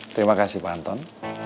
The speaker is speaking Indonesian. terima kasih pak anton